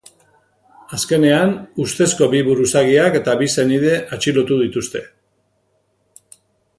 Azkenean, ustezko bi buruzagiak eta bi senide atxilotu dituzte.